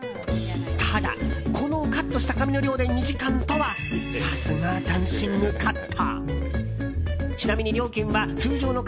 ただ、このカットした髪の量で２時間とはさすがダンシングカット！